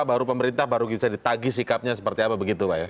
baru pemerintah baru bisa ditagi sikapnya seperti apa begitu pak ya